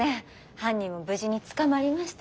犯人も無事に捕まりました。